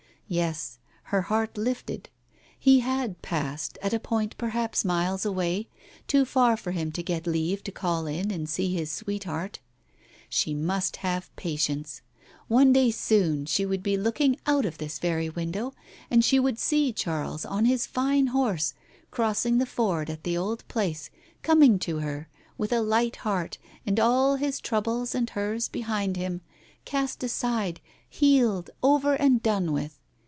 Yes, her heart lifted ; he had passed, at a point perhaps miles away, too far for him to get leave to call in and see his sweetheart. She must have patience. One day soon she would be looking out of this very window and she would see Charles on his fine horse crossing the ford at the old place, coming to her, with a light heart, and all his troubles and hers behind him, cast aside, healed, over and done with.